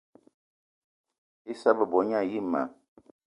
Issa bebo gne ane ayi ma